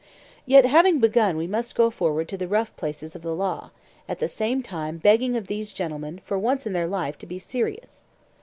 Yet having begun we must go forward to the rough places of the law; at the same time begging of these gentlemen for once in their life to be serious.